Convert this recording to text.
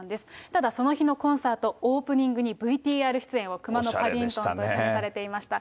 ただその日のコンサート、オープニングにＶＴＲ出演を、くまのパディントンとされていました。